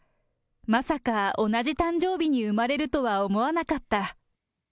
まさか同じ誕生日に産まれるとは思わなかった。